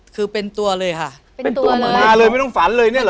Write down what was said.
คือเป็นตัวเลยค่ะเป็นตัวเหมือนมาเลยไม่ต้องฝันเลยเนี่ยเหรอ